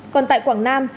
còn tại quảng nam